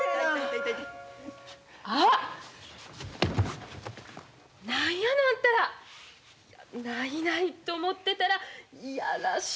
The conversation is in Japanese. あっ何やのあんたら。ないないと思ってたら嫌らしい。